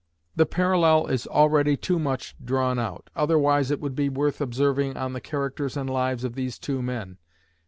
The parallel is already too much drawn out, otherwise it would be worth observing on the characters and lives of these two men.